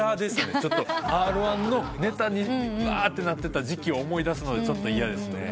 Ｒ−１のネタにわーってなってた時期を思い出すのでちょっと嫌ですね。